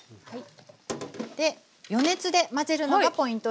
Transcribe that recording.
で余熱で混ぜるのがポイントです。